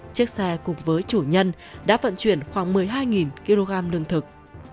chiếc xe cùng với chủ nhân đã vận chuyển khoảng một mươi hai kg lương thực